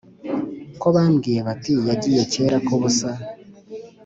ko bambwiye bati yagiye kera ak’ubusa.